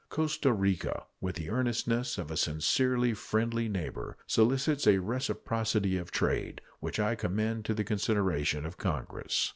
Costa Rica, with the earnestness of a sincerely friendly neighbor, solicits a reciprocity of trade, which I commend to the consideration of Congress.